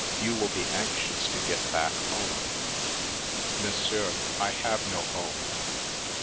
You will be anxious to get back home "" Monsieur, I have no home."